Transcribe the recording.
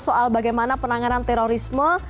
soal bagaimana penanganan terorisme